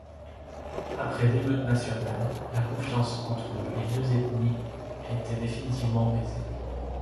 Après d'émeutes nationales, la confiance entre les deux ethnies était définitivement brisée.